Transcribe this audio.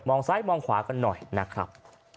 ซ้ายมองขวากันหน่อยนะครับ